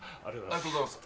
ありがとうございます。